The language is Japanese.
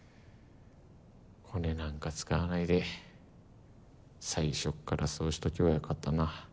コネなんか使わないで最初からそうしとけば良かったな。